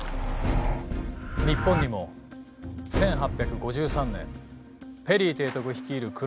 日本にも１８５３年ペリー提督率いる黒船が来航。